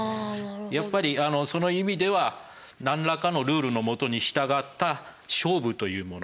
やっぱりその意味では何らかのルールのもとに従った勝負というもの。